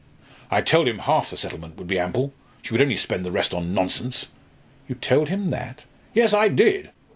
I told him half the settlement would be ample. She would only spend the rest on nonsense." "You told him that?" "Yes, I did.